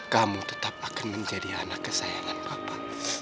kamu tetap akan menjadi anak kesayangan bapak